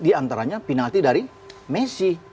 di antaranya penalti dari messi